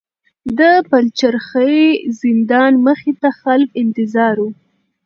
د پلچرخي زندان مخې ته خلک انتظار وو.